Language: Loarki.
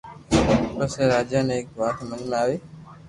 پسي راجا ني ايڪ وات ھمج آوي